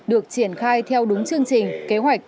được triển khai theo đúng chương trình kế hoạch